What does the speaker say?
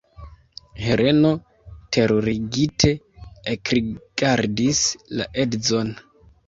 Heleno terurigite ekrigardis la edzon.